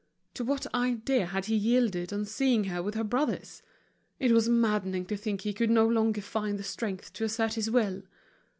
To what idea had he yielded on seeing her with her brothers? It was maddening to think he could no longer find the strength to assert his will.